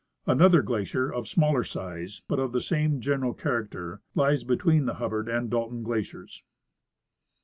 Another glacier, of smaller size but of the same general character, lies between the Hubbard and Dalton glaciers.